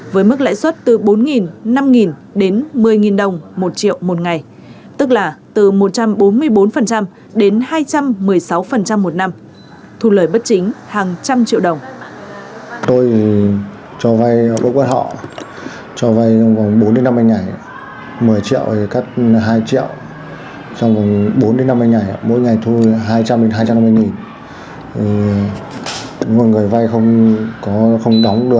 với mức lãi suất từ bốn năm đến một mươi đồng một triệu một ngày tức là từ một trăm bốn mươi bốn đến hai trăm một mươi sáu một năm thu lời bất chính hàng trăm triệu đồng